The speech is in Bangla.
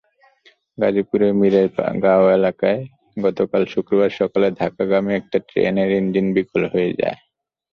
গাজীপুরের মীরেরগাঁও এলাকায় গতকাল শুক্রবার সকালে ঢাকাগামী একটি ট্রেনের ইঞ্জিন বিকল হয়ে যায়।